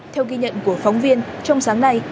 theo ghi nhận của phóng viên trong sáng nay